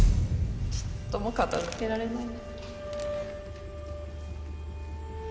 ちっとも片付けられない